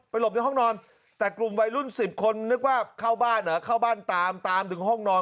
หลบในห้องนอนแต่กลุ่มวัยรุ่น๑๐คนนึกว่าเข้าบ้านเหรอเข้าบ้านตามตามถึงห้องนอน